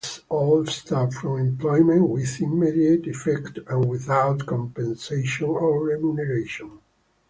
This "released all staff from employment" with immediate effect and without compensation or remuneration.